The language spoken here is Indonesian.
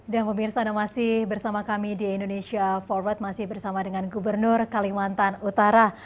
dan pemirsa anda masih bersama kami di indonesia forward masih bersama dengan gubernur kalimantan utara